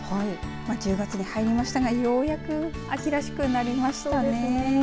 １０月に入りましたが、ようやく秋らしくなりましたね。